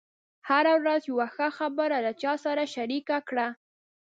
هره ورځ یوه ښه خبره له چا سره شریکه کړه.